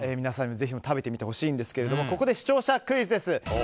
皆さんにぜひとも食べてみてほしいんですけどもここで視聴者クイズです。